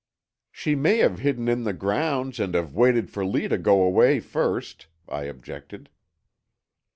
"She may have hidden in the grounds and have waited for Lee to go away first," I objected.